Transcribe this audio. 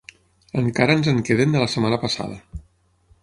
Encara ens en queden de la setmana passada.